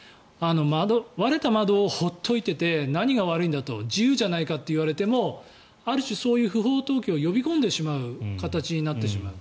割れた窓を放っておいて何が悪いんだと自由じゃないかと言われてもある種、そういう不法投棄を呼び込んでしまう形になってしまう。